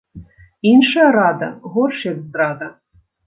Іншая рада ‒ горш як здрада